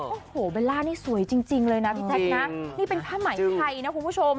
โอ้โหเบลล่านี่สวยจริงเลยนะนี่เป็นภาพหมายไทยนะคุณผู้ชม